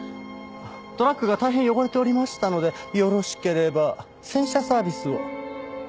トラックが大変汚れておりましたのでよろしければ洗車サービスを。